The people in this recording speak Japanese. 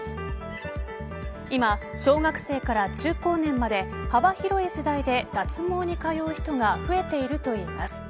今、小学生から中高年まで幅広い世代で脱毛に通う人が増えているといいます。